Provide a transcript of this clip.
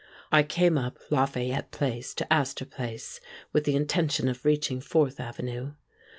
I came up Lafayette Place to Astor Place with the intention of reaching Fourth Avenue.